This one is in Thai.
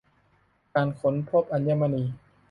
การค้นพบอัญมณี